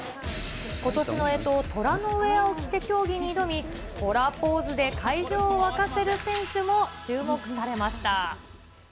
ことしのえと、トラのウエアを着て競技に挑み、トラポーズで会場を沸かせる選手も注目されました。